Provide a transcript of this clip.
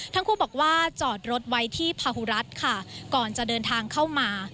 ทั้งคู่บอกว่าจอดรถไว้ที่พาหุรัฐค่ะก่อนจะเดินทางเข้ามา